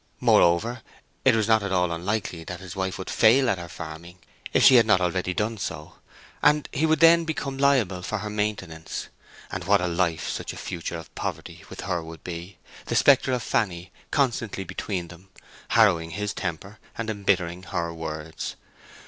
Moreover, it was not at all unlikely that his wife would fail at her farming, if she had not already done so; and he would then become liable for her maintenance: and what a life such a future of poverty with her would be, the spectre of Fanny constantly between them, harrowing his temper and embittering her words!